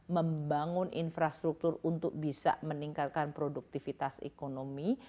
membangun infrastruktur untuk bisa meningkatkan produktivitas ekonomi